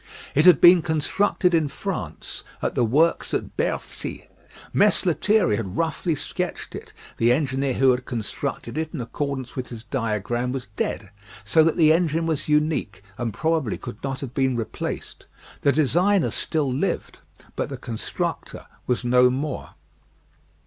It had been constructed in France, at the works at Bercy. Mess Lethierry had roughly sketched it: the engineer who had constructed it in accordance with his diagram was dead, so that the engine was unique, and probably could not have been replaced. The designer still lived, but the constructor was no more.